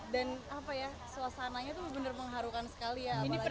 dan apa ya suasananya tuh benar benar mengharukan sekali ya